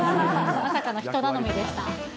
まさかの人頼みでした。